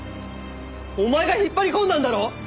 お前が引っ張り込んだんだろ！